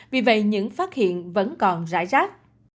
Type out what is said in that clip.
vì vậy những phát hiện vẫn còn rải rác